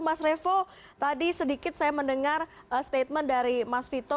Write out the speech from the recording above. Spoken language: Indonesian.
mas revo tadi sedikit saya mendengar statement dari mas vito